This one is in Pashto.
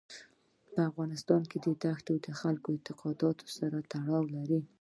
په افغانستان کې دښتې د خلکو د اعتقاداتو سره تړاو لري.